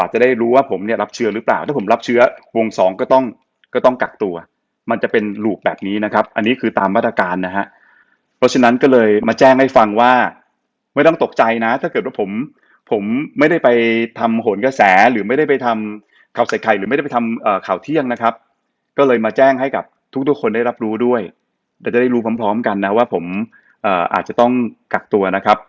หลูกแบบนี้นะครับอันนี้คือตามมาตรการนะฮะเพราะฉะนั้นก็เลยมาแจ้งให้ฟังว่าไม่ต้องตกใจนะถ้าเกิดว่าผมผมไม่ได้ไปทำโหนกระแสหรือไม่ได้ไปทำข่าวใส่ไข่หรือไม่ได้ไปทำเอ่อข่าวเที่ยงนะครับก็เลยมาแจ้งให้กับทุกทุกคนได้รับรู้ด้วยแต่จะได้รู้พร้อมพร้อมกันนะว่าผมเอ่ออาจจะต้องกักตัวนะครั